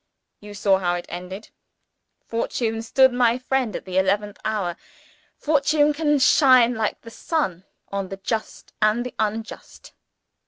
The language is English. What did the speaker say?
You saw how it ended. Fortune stood my friend at the eleventh hour; fortune can shine, like the sun, on the just and the unjust!